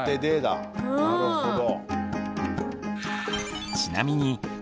なるほど。